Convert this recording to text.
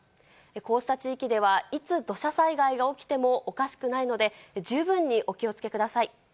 こうした地域では、いつ土砂災害が起きてもおかしくないので、十分にお気をつけください。